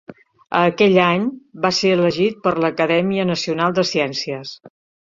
A aquell any, va ser elegit per l'Acadèmia Nacional de Ciències.